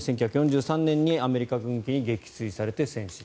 １９４３年にアメリカ軍機に撃墜されて戦死。